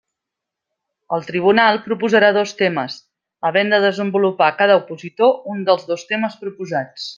El tribunal proposarà dos temes, havent de desenvolupar cada opositor un dels dos temes proposats.